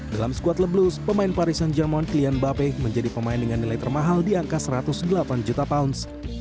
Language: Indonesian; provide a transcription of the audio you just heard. dalam squad leblous pemain paris saint germain kylian mbappe menjadi pemain dengan nilai termahal di angka satu ratus delapan juta pounds